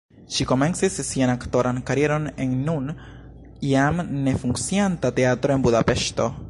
Ŝi komencis sian aktoran karieron en nun jam ne funkcianta teatro en Budapeŝto.